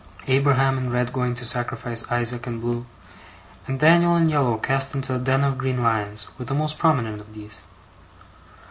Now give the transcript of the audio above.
Abraham in red going to sacrifice Isaac in blue, and Daniel in yellow cast into a den of green lions, were the most prominent of these.